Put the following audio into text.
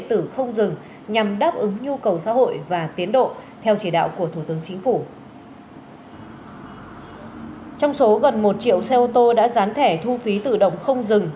trong số gần một triệu xe ô tô đã dán thẻ thu phí tự động không dừng